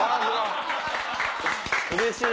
うれしい！